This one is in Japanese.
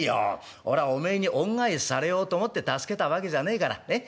俺はおめえに恩返しされようと思って助けたわけじゃねえからねっ。